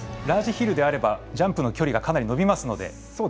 ラージヒルであればジャンプの距離も伸びますので。